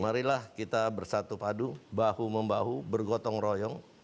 marilah kita bersatu padu bahu membahu bergotong royong